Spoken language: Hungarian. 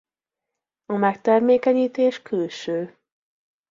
A megtermékenyítés külső.